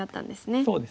そうですね。